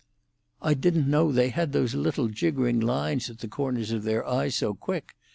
"I didn't know they had those little jiggering lines at the corners of their eyes so quick.